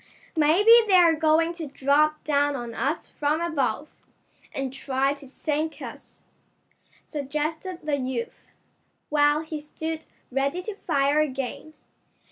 "Maybe they're going to drop down on us from above, and try to sink us," suggested the youth, while he stood ready to fire again.